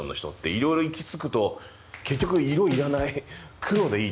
いろいろ行き着くと結局色いらない黒でいいってなりそうだな。